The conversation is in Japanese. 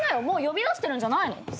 もう呼び出してるんじゃないの？